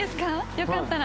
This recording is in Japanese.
よかったら。